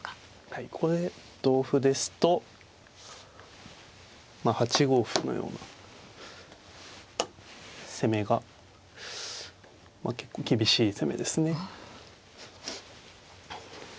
はいここで同歩ですと８五歩のような攻めが結構厳しい攻めですね。